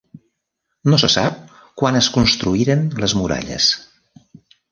No se sap quan es construïren les muralles.